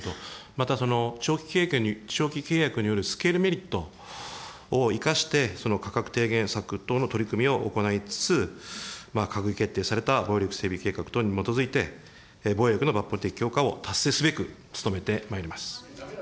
また長期契約によるスケールメリットを生かして、価格低減策等の取り組みを行いつつ、閣議決定された防衛力整備計画等に基づいて、防衛力の抜本的強化を達成すべくつとめてまいります。